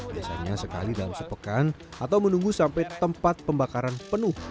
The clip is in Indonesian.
biasanya sekali dalam sepekan atau menunggu sampai tempat pembakaran penuh